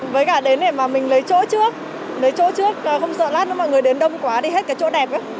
với cả đến để mà mình lấy chỗ trước lấy chỗ trước không sợ lát nếu mọi người đến đông quá đi hết cái chỗ đẹp ấy